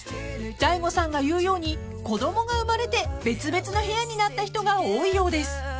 ［大悟さんが言うように子供が生まれて別々の部屋になった人が多いようです］